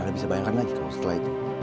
anda bisa bayangkan lagi kalau setelah itu